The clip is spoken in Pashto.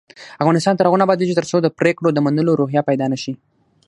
افغانستان تر هغو نه ابادیږي، ترڅو د پریکړو د منلو روحیه پیدا نشي.